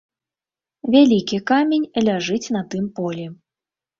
Вялікі камень ляжыць на тым полі.